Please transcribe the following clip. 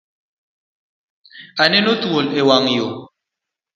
Aneno thuol e wanga yo